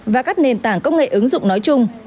và các nền tảng công nghệ ứng dụng nói chung